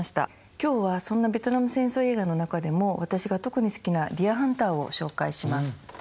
今日はそんなベトナム戦争映画の中でも私が特に好きな「ディア・ハンター」を紹介します。